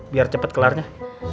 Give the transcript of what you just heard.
biar cepat kelarnya